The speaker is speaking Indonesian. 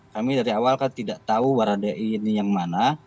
kami dari awal kan tidak tahu baradae ini yang mana